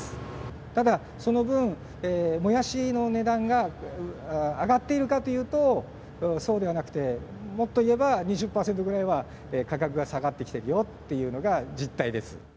ただ、その分、もやしの値段が上がっているかというと、そうではなくて、もっと言えば、２０％ぐらいは価格が下がってきているよっていうのが実態です。